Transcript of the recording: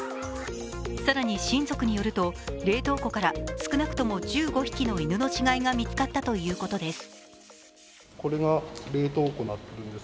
更に、親族によると、冷凍庫から少なくとも１５匹の犬の死骸が見つかったということです。